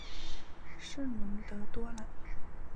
圣龙德多朗。